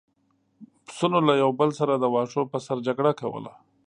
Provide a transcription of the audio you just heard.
پسونو له یو بل سره د واښو پر سر جګړه کوله.